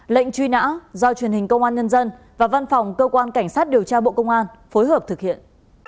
lệnh truy nã do truyền hình công an nhân dân và văn phòng cơ quan cảnh sát điều tra bộ công an phối hợp thực hiện